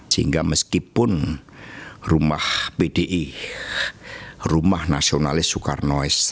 sehingga meskipun rumah pdi rumah nasionalis soekarno has